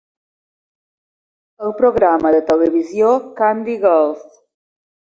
El programa de televisió "Candy Girls".